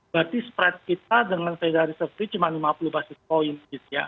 jadi spread kita dengan fedariso free cuma lima puluh basis point gitu ya